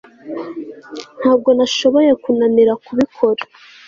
ntabwo nashoboye kunanira kubikora